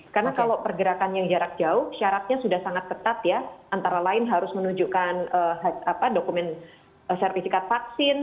karena kalau pergerakan yang jarak jauh syaratnya sudah sangat ketat ya antara lain harus menunjukkan dokumen servisikat vaksin